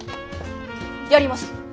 やります！